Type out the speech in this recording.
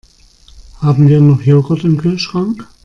Haben wir noch Joghurt im Kühlschrank?